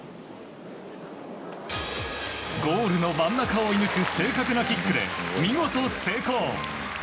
ゴールの真ん中を射抜く正確なキックで見事、成功！